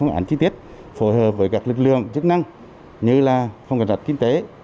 phương án chi tiết phối hợp với các lực lượng chức năng như là phòng cảnh sát kinh tế